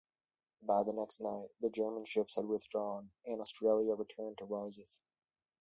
By the next night, the German ships had withdrawn, and "Australia" returned to Rosyth.